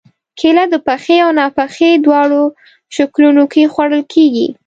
کېله د پخې او ناپخې دواړو شکلونو کې خوړل کېږي.